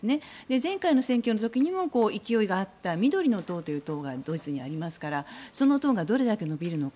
前回の選挙の時にも勢いのあった緑の党というのがドイツにありますからその党がどれだけ伸びるのか。